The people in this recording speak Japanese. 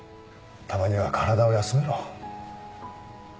たまには体を休めろ。